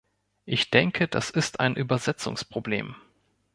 Ich denke, das ist ein Übersetzungsproblem.